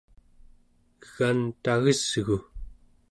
egan tagesgu!